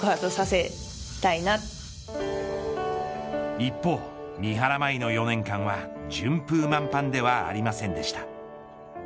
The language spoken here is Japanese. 一方、三原舞依の４年間は順風満帆ではありませんでした。